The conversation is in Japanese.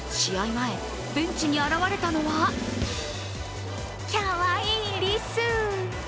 前、ベンチに現れたのはきゃわいいリス！